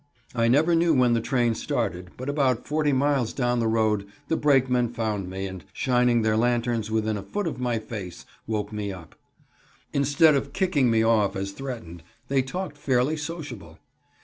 I never knew when the train started, but about forty miles down the road the brakemen found me, and shining their lanterns within a foot of my face, woke me up. Instead of "kicking" me off, as threatened, they talked fairly sociable.